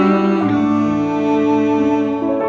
eh rena belum mandi